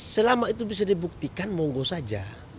selama itu bisa dibuktikan monggo saja